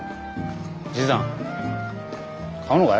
じいさん買うのかい？